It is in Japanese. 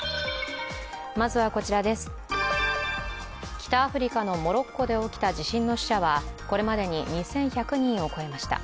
北アフリカのモロッコで起きた地震の死者はこれまでに２１００人を超えました。